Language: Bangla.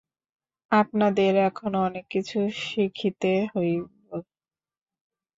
আপনাদের এখনও অনেক কিছু শিখিতে হইবে।